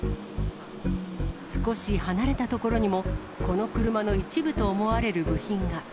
少し離れた所にも、この車の一部と思われる部品が。